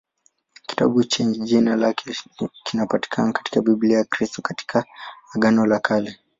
Kitabu chenye jina lake kinapatikana katika Biblia ya Kikristo katika Agano la Kale.